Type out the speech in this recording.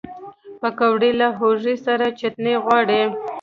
پکورې له هوږې سره چټني غواړي